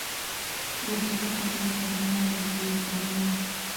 دا چټکه تله پر لار زوی یې کرار وو